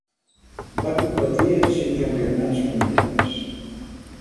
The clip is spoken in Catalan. Va competir en cinc campionats mundials.